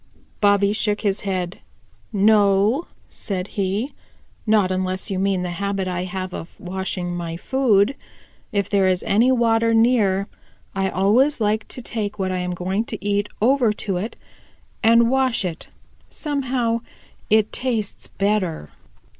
Bobby shook his head. "No," said he, "not unless you mean the habit I have of washing my food. If there is any water near, I always like to take what I am going to eat over to it and wash it; somehow it tastes better."